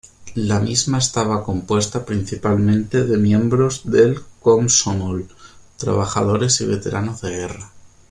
La misma estaba compuesta principalmente de miembros del Komsomol, trabajadores y veteranos de guerra.